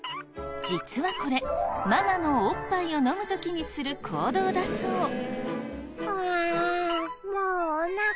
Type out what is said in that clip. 実はこれママのおっぱいを飲む時にする行動だそう。